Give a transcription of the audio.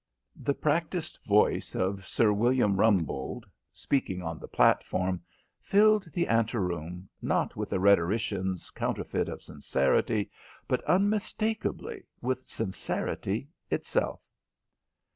The practised voice of Sir William Rumbold, speaking on the platform, filled the ante room, not with the rhetorician's counterfeit of sincerity, but, unmistakably, with sincerity itself.